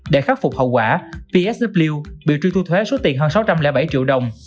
để khắc phục hậu quả psu bị truy thu thuế số tiền hơn sáu trăm linh bảy triệu đồng